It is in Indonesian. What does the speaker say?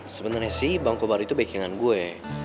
sebenernya sih bang kobar itu baik dengan gue